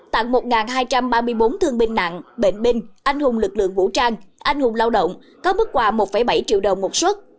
tặng một hai trăm ba mươi bốn thương binh nặng bệnh binh anh hùng lực lượng vũ trang anh hùng lao động có mức quà một bảy triệu đồng một xuất